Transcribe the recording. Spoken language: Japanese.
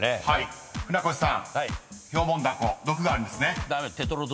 ［船越さん「ヒョウモンダコ」毒があるんですね］